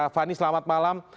fani selamat malam